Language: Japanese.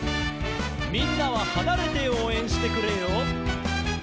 「みんなははなれておうえんしてくれよ」